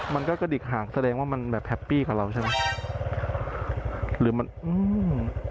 มันก็กระดิกหางแสดงว่ามันแบบแฮปปี้กว่าเราใช่ไหมหรือมันอืม